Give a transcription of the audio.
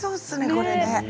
これね。